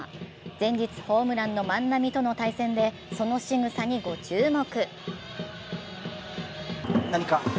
前日ホームランの万波との対戦でそのしぐさにご注目。